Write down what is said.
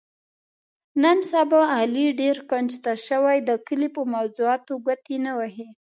نن سبا علي ډېر کونج ته شوی، د کلي په موضاتو ګوتې نه وهي.